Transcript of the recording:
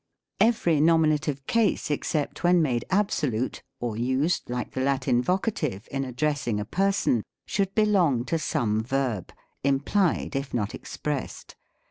Every nominative case, except when made absolute, or used, like the Latin Vocative, in addressing a per son, should belong to some verb, implied if not ex pressed.